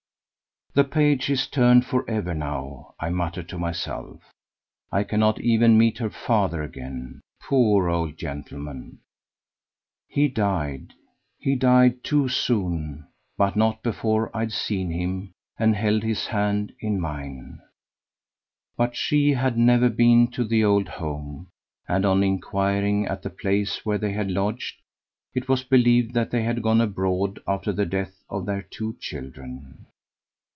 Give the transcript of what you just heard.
The page is turned for ever now, I muttered to myself. I cannot even meet her father again. Poor old gentleman! he died he died too soon; but not before I'd seen him and held his hand in mine. But she had never been to the old home; and on inquiring at the place where they had lodged, it was believed that they had gone abroad after the death of their two children.